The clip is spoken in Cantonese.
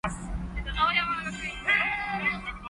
快脆啲啦，乜你咁婆媽㗎